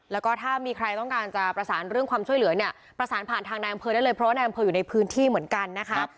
แล้วก็ถ้ามีใครต้องการจะประสานเรื่องความช่วยเหลือเนี่ยประสานผ่านทางนายอำเภอได้เลยเพราะว่านายอำเภออยู่ในพื้นที่เหมือนกันนะคะ